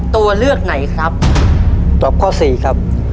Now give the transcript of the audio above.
ตัวเลือกไหนครับตอบข้อสี่ครับ